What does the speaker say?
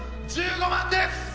１５万です！